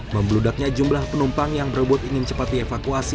membeludaknya jumlah penumpang yang berebut ingin cepat dievakuasi